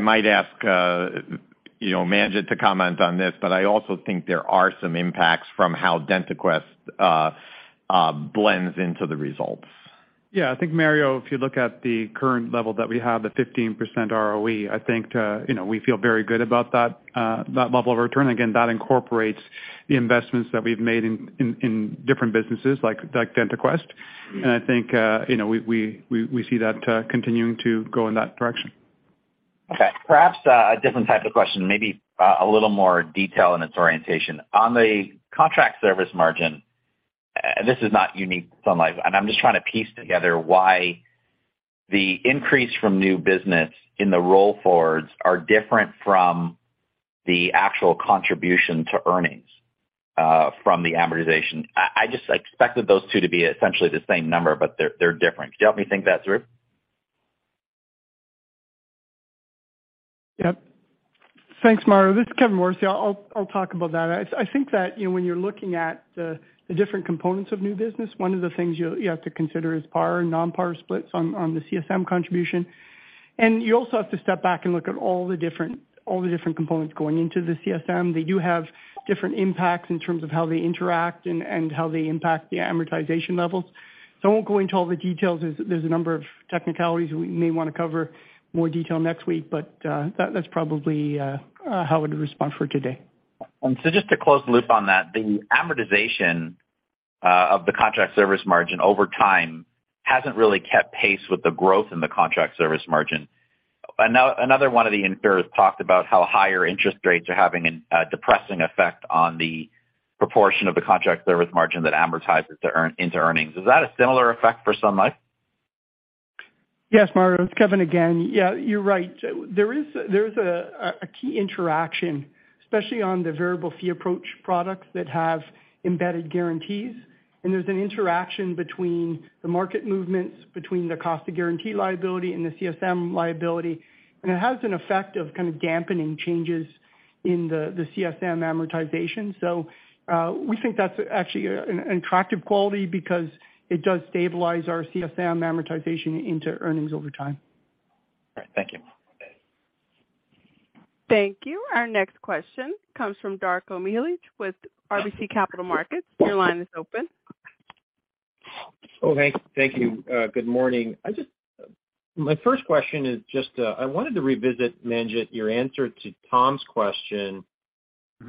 Speaker 10: might ask, you know, Manjit to comment on this, but I also think there are some impacts from how DentaQuest blends into the results.
Speaker 4: Yeah, I think, Mario, if you look at the current level that we have, the 15% ROE, you know, we feel very good about that level of return. Again, that incorporates the investments that we've made in different businesses like DentaQuest. I think, you know, we see that continuing to go in that direction.
Speaker 10: Okay. Perhaps a different type of question, maybe a little more detail in its orientation. On the contract service margin, this is not unique to Sun Life, and I'm just trying to piece together why the increase from new business in the roll forwards are different from the actual contribution to earnings from the amortization. I just expected those two to be essentially the same number, but they're different. Could you help me think that through?
Speaker 15: Yep. Thanks, Mario. This is Kevin Morrissey. I'll talk about that. I think that, you know, when you're looking at the different components of new business, one of the things you have to consider is par and non-par splits on the CSM contribution. You also have to step back and look at all the different components going into the CSM. They do have different impacts in terms of how they interact and how they impact the amortization levels. I won't go into all the details. There's a number of technicalities we may want to cover more detail next week, but that's probably how I would respond for today.
Speaker 10: Just to close the loop on that, the amortization of the contract service margin over time hasn't really kept pace with the growth in the contract service margin. Another one of the insurers talked about how higher interest rates are having an depressing effect on the proportion of the contract service margin that amortizes into earnings. Is that a similar effect for Sun Life?
Speaker 15: Yes, Mario, it's Kevin again. Yeah, you're right. There is a key interaction, especially on the variable fee approach products that have embedded guarantees. There's an interaction between the market movements, between the cost of guarantee liability, and the CSM liability. It has an effect of kind of dampening changes in the CSM amortization. We think that's actually an attractive quality because it does stabilize our CSM amortization into earnings over time.
Speaker 10: All right. Thank you.
Speaker 1: Thank you. Our next question comes from Darko Mihelic with RBC Capital Markets. Your line is open.
Speaker 16: Oh, hey. Thank you. Good morning. My first question is, I wanted to revisit, Manjit, your answer to Tom's question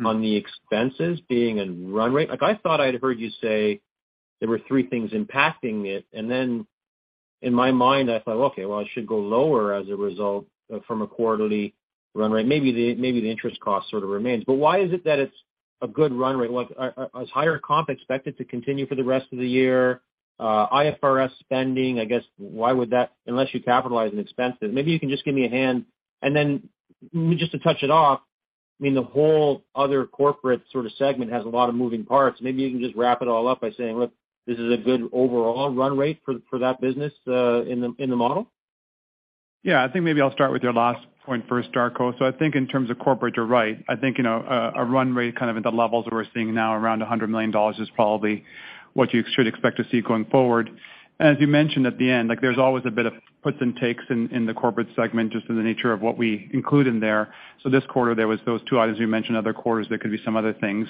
Speaker 16: on the expenses being a run rate. Like, I thought I'd heard you say there were three things impacting it, and then in my mind, I thought, okay, well, it should go lower as a result from a quarterly run rate. Maybe the interest cost sort of remains. Why is it that it's a good run rate? Like, is higher comp expected to continue for the rest of the year? IFRS spending, I guess why would that, unless you capitalize and expense it. Maybe you can just give me a hand. Just to touch it off, I mean, the whole other corporate sort of segment has a lot of moving parts. You can just wrap it all up by saying, look, this is a good overall run rate for that business in the model.
Speaker 4: Yeah, I think maybe I'll start with your last point first, Darko. I think in terms of corporate, you're right. I think, you know, a run rate kind of at the levels that we're seeing now around 100 million dollars is probably what you should expect to see going forward. As you mentioned at the end, like, there's always a bit of puts and takes in the corporate segment just in the nature of what we include in there. This quarter there was those two items you mentioned. Other quarters there could be some other things.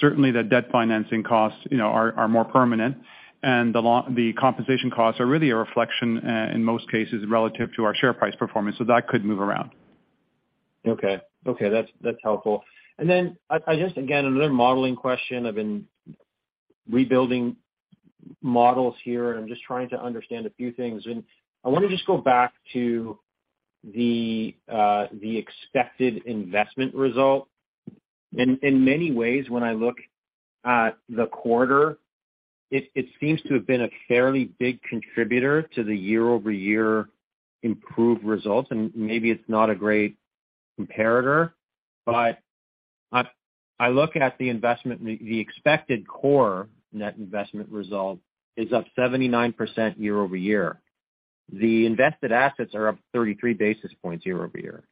Speaker 4: Certainly the debt financing costs, you know, are more permanent. The compensation costs are really a reflection in most cases relative to our share price performance. That could move around.
Speaker 16: Okay. Okay, that's helpful. I just again, another modeling question. I've been rebuilding models here, and I'm just trying to understand a few things. I wanna just go back to the expected investment result. In many ways, when I look at the quarter, it seems to have been a fairly big contributor to the year-over-year improved results, maybe it's not a great comparator, I look at the investment, the expected core net investment result is up 79% year-over-year. The invested assets are up 33 basis points year-over-year.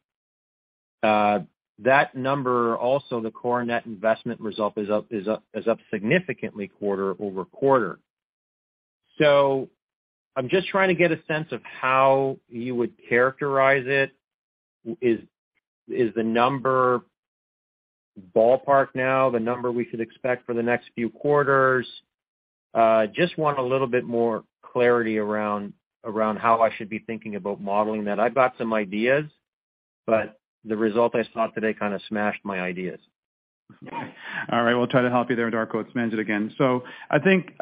Speaker 16: That number also, the core net investment result is up significantly quarter over quarter. I'm just trying to get a sense of how you would characterize it. Is the number ballpark now the number we should expect for the next few quarters? Just want a little bit more clarity around how I should be thinking about modeling that. The result I saw today kinda smashed my ideas.
Speaker 4: All right, we'll try to help you there, Darko. It's Manjit again. I think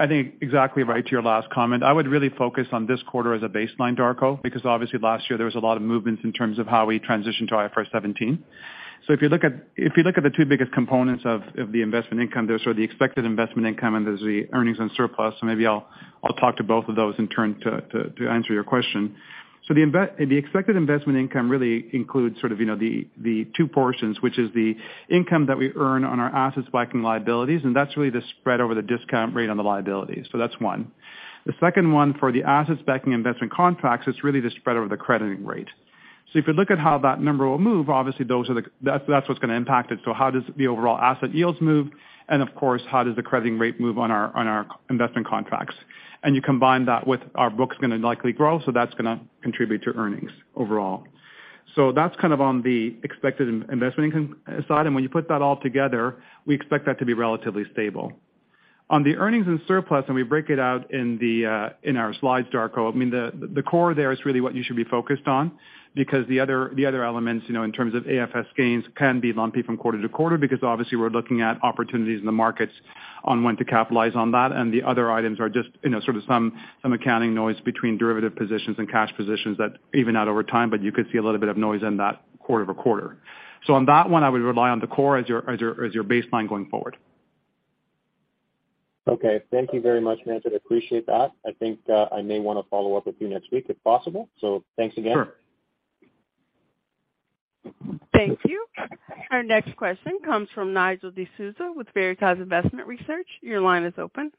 Speaker 4: exactly right to your last comment. I would really focus on this quarter as a baseline, Darko, because obviously last year there was a lot of movements in terms of how we transitioned to IFRS 17. If you look at the 2 biggest components of the investment income, there's sort of the expected investment income, and there's the earnings and surplus. Maybe I'll talk to both of those in turn to answer your question. The expected investment income really includes sort of, you know, the 2 portions, which is the income that we earn on our assets backing liabilities, and that's really the spread over the discount rate on the liabilities. That's 1. The second one for the assets backing investment contracts, it's really the spread over the crediting rate. If you look at how that number will move, obviously that's what's gonna impact it. How does the overall asset yields move? Of course, how does the crediting rate move on our investment contracts? You combine that with our book's gonna likely grow, so that's gonna contribute to earnings overall. That's kind of on the expected in-investment income side. When you put that all together, we expect that to be relatively stable. On the earnings and surplus, and we break it out in the in our slides, Darko. I mean, the core there is really what you should be focused on because the other elements, you know, in terms of AFS gains can be lumpy from quarter-to-quarter because obviously we're looking at opportunities in the markets on when to capitalize on that. The other items are just, you know, sort of some accounting noise between derivative positions and cash positions that even out over time, but you could see a little bit of noise in that quarter-over-quarter. On that one, I would rely on the core as your baseline going forward.
Speaker 17: Okay. Thank you very much, Manjit. I appreciate that. I think, I may wanna follow up with you next week, if possible. Thanks again.
Speaker 4: Sure.
Speaker 1: Thank you. Our next question comes from Nigel D'Souza with Veritas Investment Research. Your line is open.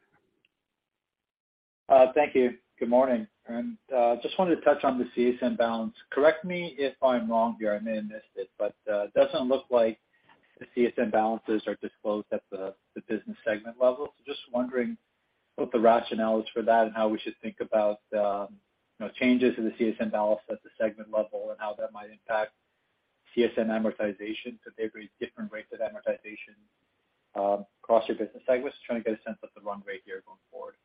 Speaker 17: Thank you. Good morning. Just wanted to touch on the CSM balance. Correct me if I'm wrong here, I may have missed it, but it doesn't look like the CSM balances are disclosed at the business segment level. Just wondering what the rationale is for that and how we should think about, you know, changes to the CSM balance at the segment level and how that might impact CSM amortization? They raise different rates of amortization across your business segments. Just trying to get a sense of the run rate here going forward.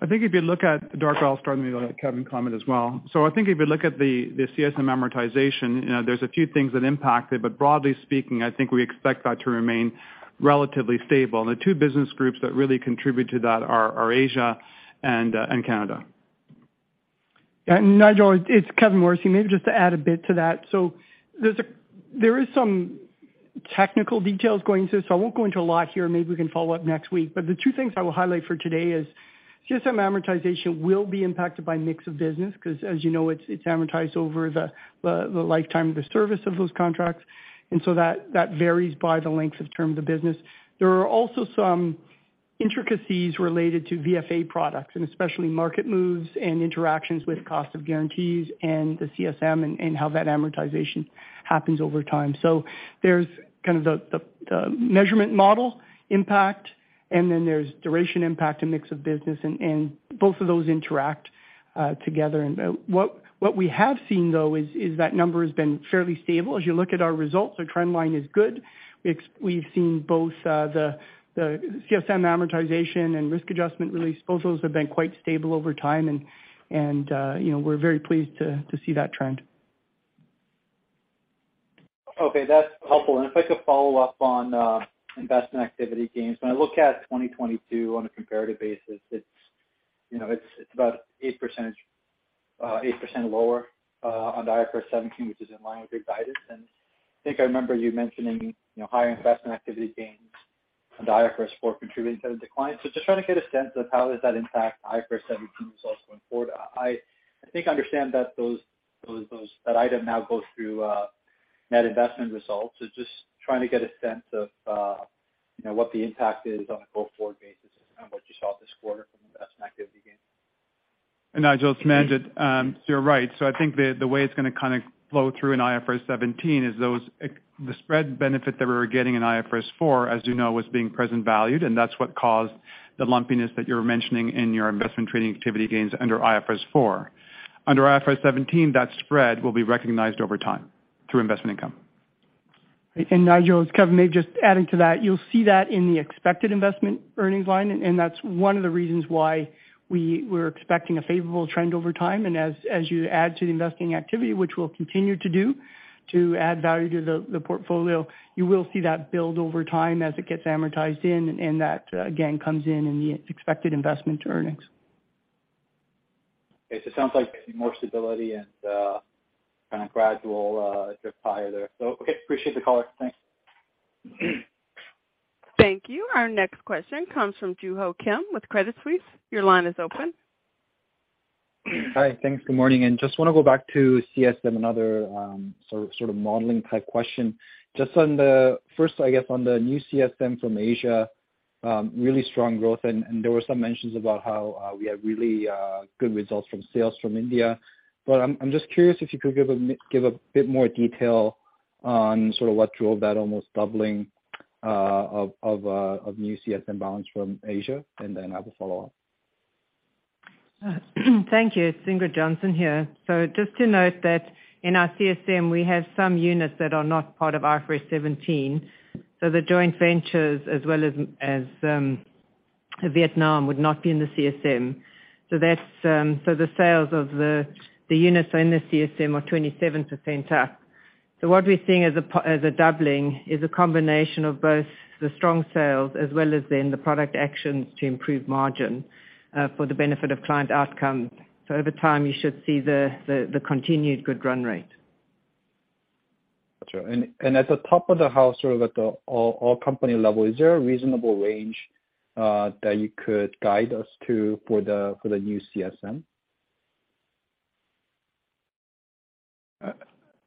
Speaker 4: I think if you look at, Darko, I'll start and then let Kevin comment as well. I think if you look at the CSM amortization, you know, there's a few things that impact it, but broadly speaking, I think we expect that to remain relatively stable. The two business groups that really contribute to that are Asia and Canada.
Speaker 15: Yeah, Nigel, it's Kevin Morrissey. Maybe just to add a bit to that. There is some technical details going through, so I won't go into a lot here. Maybe we can follow up next week. The two things I will highlight for today is CSM amortization will be impacted by mix of business 'cause as you know, it's amortized over the lifetime of the service of those contracts. That varies by the length of term of the business. There are also some intricacies related to VFA products, and especially market moves and interactions with cost of guarantees and the CSM and how that amortization happens over time. There's kind of the measurement model impact, and then there's duration impact and mix of business. And both of those interact together. What we have seen though is that number has been fairly stable. As you look at our results, our trend line is good. We've seen both the CSM amortization and risk adjustment release. Both those have been quite stable over time. You know, we're very pleased to see that trend.
Speaker 17: Okay, that's helpful. If I could follow up on investment activity gains. When I look at 2022 on a comparative basis, it's, you know, it's about 8% lower on IFRS 17, which is in line with your guidance. I think I remember you mentioning, you know, higher investment activity gains on IFRS 4 contributing to the decline. Just trying to get a sense of how does that impact IFRS 17 results going forward. I think I understand that those that item now goes through net investment results. Just trying to get a sense of, you know, what the impact is on a go-forward basis and what you saw this quarter from investment activity gains.
Speaker 4: Nigel, it's Manjit. You're right. I think the way it's gonna kinda flow through in IFRS 17 is those the spread benefit that we were getting in IFRS 4, as you know, was being present valued, and that's what caused the lumpiness that you're mentioning in your investment trading activity gains under IFRS 4. Under IFRS 17, that spread will be recognized over time through investment income.
Speaker 15: Nigel, it's Kevin. Maybe just adding to that. You'll see that in the expected investment earnings line, and that's one of the reasons why we're expecting a favorable trend over time. As you add to the investing activity, which we'll continue to do to add value to the portfolio, you will see that build over time as it gets amortized in, and that again comes in the expected investment earnings.
Speaker 17: Okay. it sounds like more stability and, kind of gradual, drift higher there. okay. Appreciate the color. Thanks.
Speaker 1: Thank you. Our next question comes from Joo Ho Kim with Credit Suisse. Your line is open.
Speaker 18: Hi. Thanks. Good morning. Just wanna go back to CSM, another sort of modeling type question. Just on the, first, I guess, on the new CSM from Asia, really strong growth, and there were some mentions about how we have really good results from sales from India. I'm just curious if you could give a bit more detail on sort of what drove that almost doubling of new CSM balance from Asia, and then I will follow up?
Speaker 12: Thank you. It's Ingrid Johnson here. Just to note that in our CSM, we have some units that are not part of IFRS 17. The joint ventures as well as Vietnam would not be in the CSM. That's the sales of the units in the CSM are 27% up. What we're seeing as a doubling is a combination of both the strong sales as well as then the product actions to improve margin for the benefit of client outcomes. Over time, you should see the continued good run rate.
Speaker 18: Sure. And at the top of the house or all company level, is there a reasonable range that you could guide us to for the new CSM?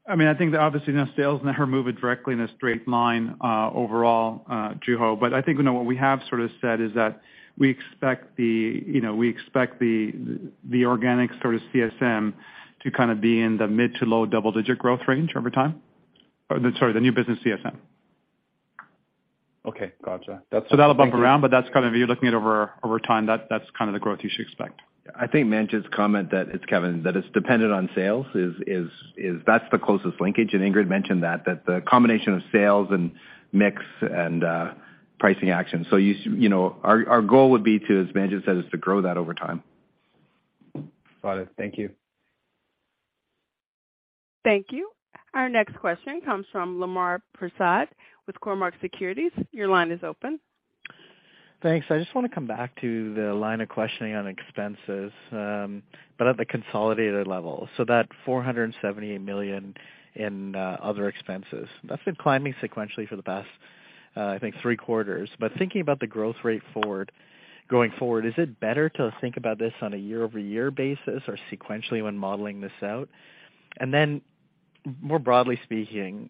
Speaker 4: I mean, I think that obviously now sales never move it directly in a straight line, overall, Joo Ho. I think, you know, what we have sort of said is that we expect the, you know, the organic sort of CSM to kind of be in the mid to low double-digit growth range over time. Sorry, the new business CSM.
Speaker 18: Okay. Gotcha. That's.
Speaker 4: That'll bump around, but that's kind of you're looking at over time, that's kind of the growth you should expect.
Speaker 3: I think Manjit's comment that it's Kevin, that it's dependent on sales is that's the closest linkage. Ingrid mentioned that the combination of sales and mix and pricing actions. you know, our goal would be to, as Manjit said, is to grow that over time.
Speaker 18: Got it. Thank you.
Speaker 1: Thank you. Our next question comes from Lemar Persaud with Cormark Securities. Your line is open.
Speaker 19: Thanks. I just wanna come back to the line of questioning on expenses, but at the consolidated level. That 478 million in other expenses, that's been climbing sequentially for the past, I think three quarters. Thinking about the growth rate forward, going forward, is it better to think about this on a year-over-year basis or sequentially when modeling this out? More broadly speaking,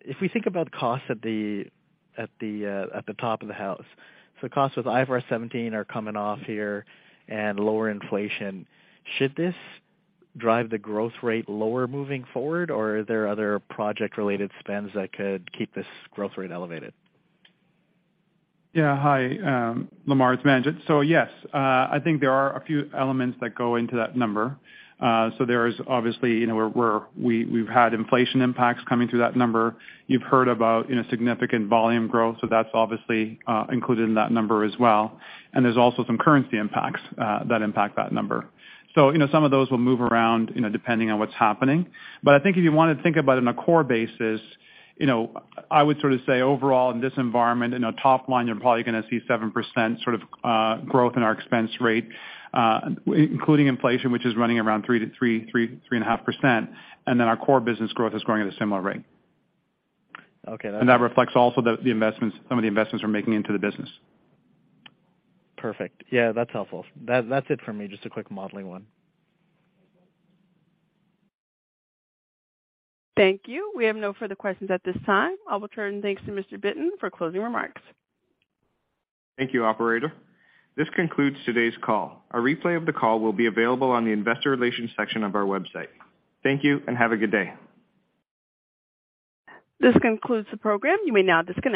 Speaker 19: if we think about costs at the, at the, at the top of the house, costs with IFRS 17 are coming off here and lower inflation, should this drive the growth rate lower moving forward, or are there other project-related spends that could keep this growth rate elevated?
Speaker 4: Hi, Lemar, it's Manjit. Yes, I think there are a few elements that go into that number. There's obviously, you know, we've had inflation impacts coming through that number. You've heard about, you know, significant volume growth, that's obviously included in that number as well. There's also some currency impacts that impact that number. Some of those will move around, you know, depending on what's happening. I think if you wanna think about it on a core basis, you know, I would sort of say overall in this environment, in our top line, you're probably gonna see 7% sort of growth in our expense rate, including inflation, which is running around 3% to 3.5%. Our core business growth is growing at a similar rate.
Speaker 19: Okay.
Speaker 4: That reflects also the investments, some of the investments we're making into the business.
Speaker 19: Perfect. Yeah, that's helpful. That's it for me, just a quick modeling one.
Speaker 1: Thank you. We have no further questions at this time. I'll return things to Mr. Bitton for closing remarks.
Speaker 2: Thank you, operator. This concludes today's call. A replay of the call will be available on the investor relations section of our website. Thank you, and have a good day.
Speaker 1: This concludes the program. You may now disconnect.